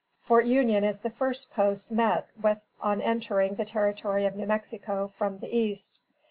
Fort Union is the first post met with on entering the Territory of New Mexico from the east.